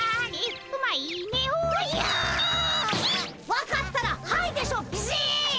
分かったら「はい」でしょビシッ！